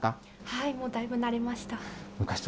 はい、もうだいぶ慣れました。